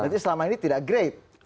berarti selama ini tidak grade